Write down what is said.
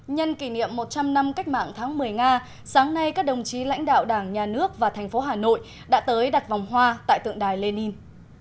nhân kỷ niệm một trăm linh năm cách mạng tháng một mươi nga sáng nay các đồng chí lãnh đạo đảng nhà nước và thành phố hà nội đã tới đặt vòng hoa tại tượng đài lenin